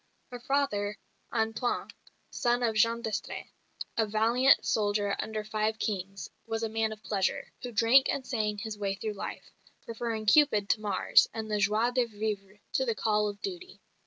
Her father, Antoine, son of Jean d'Estrées, a valiant soldier under five kings, was a man of pleasure, who drank and sang his way through life, preferring Cupid to Mars and the joie de vivre to the call of duty.